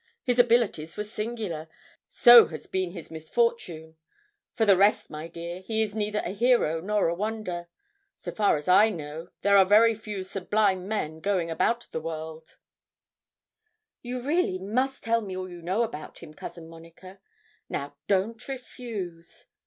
His abilities were singular; so has been his misfortune; for the rest, my dear, he is neither a hero nor a wonder. So far as I know, there are very few sublime men going about the world.' 'You really must tell me all you know about him, Cousin Monica. Now don't refuse.'